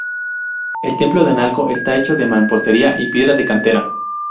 El templo de Analco está hecho de mampostería y piedra de cantera.